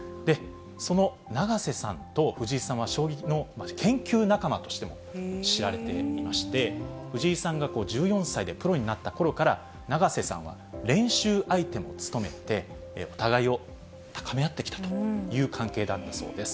その永瀬さんと藤井さんは将棋の研究仲間としても知られていまして、藤井さんが１４歳でプロになったころから、永瀬さんは練習相手も務めて、互いを高め合ってきたという関係だったそうです。